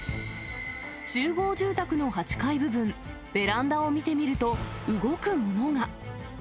集合住宅の８階部分、ベランダを見てみると、動くものが。